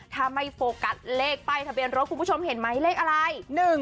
ถ้าไม่โฟกัสเลขป้ายทะเบียนรถคุณผู้ชมเห็นไหมเลขอะไร